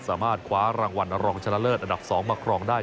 สามารถคว้ารางวัลรองชนะเลิศอันดับ๒มาครองได้